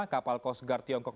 kapal kosgar tiongkok